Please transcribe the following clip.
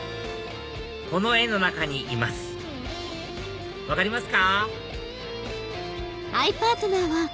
この画の中にいます分かりますか？